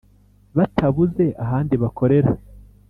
Batabuze ahandi bakorera